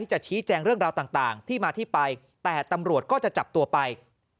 จะชี้แจงเรื่องราวต่างที่มาที่ไปแต่ตำรวจก็จะจับตัวไป